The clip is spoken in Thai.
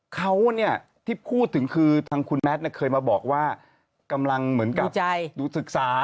เขาเนี่ยที่พูดถึงคือทางคุณแมทเคยมาบอกว่ากำลังเหมือนกับดูศึกษา